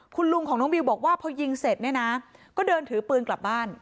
คุณลุงของน้องบิวบอกว่าพอยิงเสร็จเนี่ยนะก็เดินถือปืนกลับบ้าน